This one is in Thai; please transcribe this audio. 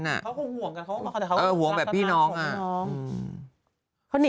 เขาคงห่วงกันแต่เขารักกันมากของน้อง